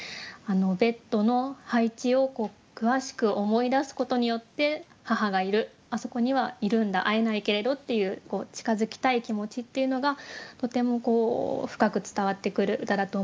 ベッドの配置を詳しく思い出すことによって母がいるあそこにはいるんだ会えないけれどっていう近づきたい気持ちっていうのがとても深く伝わってくる歌だと思いました。